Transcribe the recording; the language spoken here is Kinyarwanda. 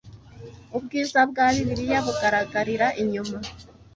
Ubwiza bwa Bibiliya bugaragara inyuma,